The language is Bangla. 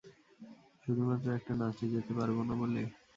শুধুমাত্র একটা নাচে যেতে পারবো না বলে?